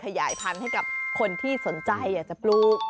ขยายพันธุ์ให้กับคนที่สนใจอยากจะปลูก